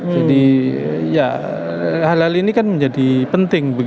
jadi ya hal hal ini kan menjadi penting